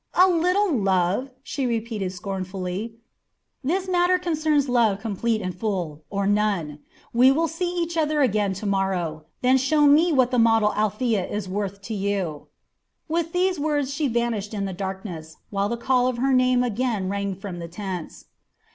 "A little love?" she repeated scornfully. "This matter concerns love complete and full or none. We will see each other again to morrow. Then show me what the model Althea is worth to you." With these words she vanished in the darkness, while the call of her name again rang from the tents.